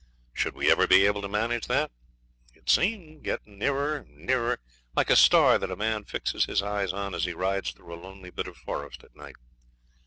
Should we ever be able to manage that? It seemed getting nearer, nearer, like a star that a man fixes his eyes on as he rides through a lonely bit of forest at night.